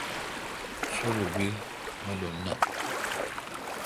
سولو بیل مہ لو نہ۔